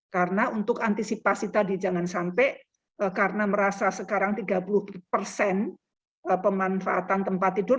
karena untuk antisipasi tadi jangan sampai karena merasa sekarang tiga puluh persen pemanfaatan tempat tidur